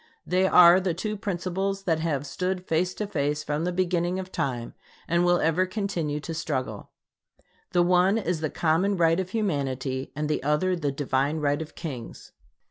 They are the two principles that have stood face to face from the beginning of time; and will ever continue to struggle. The one is the common right of humanity and the other the divine right of kings.